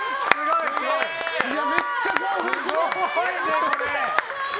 めっちゃ興奮する！